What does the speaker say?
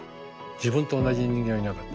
自分と同じ人間はいなかった。